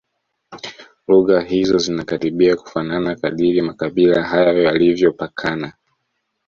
Lugha hizo zinakaribia kufanana kadiri makabila hayo yalivyopakana